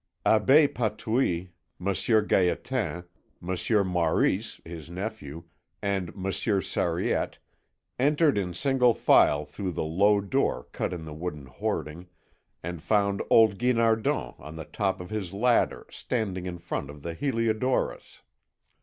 Abbé Patouille, Monsieur Gaétan, Monsieur Maurice, his nephew, and Monsieur Sariette, entered in single file through the low door cut in the wooden hoarding, and found old Guinardon on the top of his ladder standing in front of the Heliodorus.